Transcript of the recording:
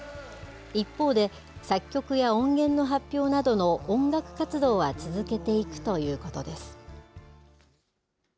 一方で、作曲や音源の発表などの音楽活動は続けていくということです。